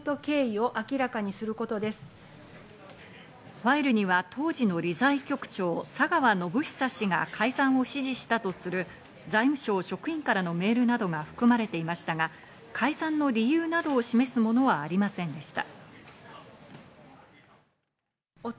ファイルには当時の理財局長・佐川宣寿氏が改ざんを指示したとする財務省職員からのメールなどが含まれていましたが、改ざんの理由などを示すものはありませんでした。